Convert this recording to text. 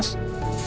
mas surya mas surya